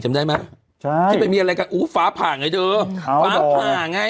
จำน่ะใช่ที่มันมีอะไรกันอู๋ฟ้าผ่าไงเจอฟ้าผ่าไง